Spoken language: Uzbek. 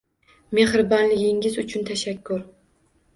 Mehribonchiligingiz uchun tashakkur.